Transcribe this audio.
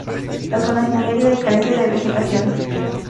La zona es muy árida y carece de vegetación.